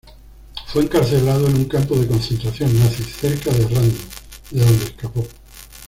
Fue encarcelado en un campo de concentración nazi, cerca de Radom, de donde escapó.